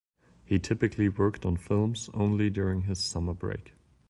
He typically worked on films only during his summer break.